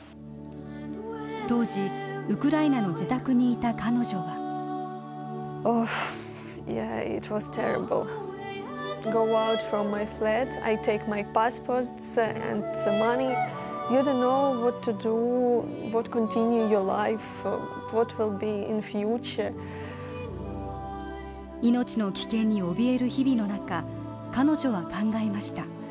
当時、ウクライナの自宅にいた彼女は命の危険におびえる日々の中、彼女は考えました。